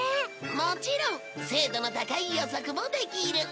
もちろん精度の高い予測もできる。